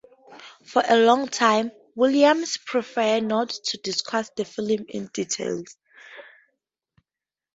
For a long time, Williams preferred not to discuss the film in detail.